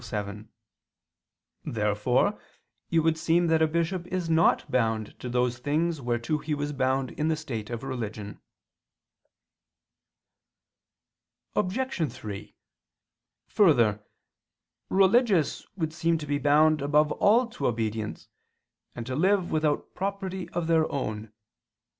7). Therefore it would seem that a bishop is not bound to those things whereto he was bound in the state of religion. Obj. 3: Further, religious would seem to be bound above all to obedience, and to live without property of their own.